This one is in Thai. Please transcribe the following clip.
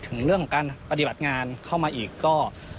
ถึงเรื่องของการปฏิบัติงานเข้ามาอีกก็